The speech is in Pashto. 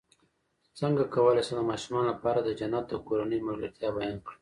څنګه کولی شم د ماشومانو لپاره د جنت د کورنۍ ملګرتیا بیان کړم